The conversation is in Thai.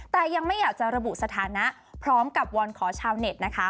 แต่ยังไม่อยากจะระบุสถานะพร้อมกับวอนขอชาวเน็ตนะคะ